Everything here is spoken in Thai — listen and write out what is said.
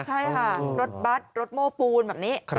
ใช่ค่ะรถบัตรรถโม้ปูนแบบนี้